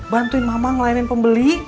bantuin mama ngelayanin pembeli